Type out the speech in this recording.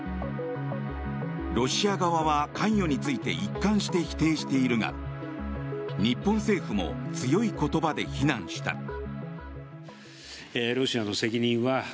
ロシア側は関与について一貫して否定しているが日本政府も強い言葉で非難した。